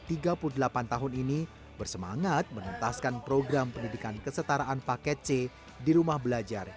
tahun ini bersemangat menentaskan program pendidikan kesetaraan paket c di rumah belajar